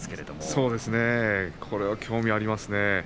そうですねこれは興味がありますね。